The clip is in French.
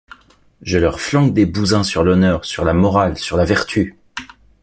Je leur flanque des bouzins sur l’honneur, sur la morale, sur la vertu!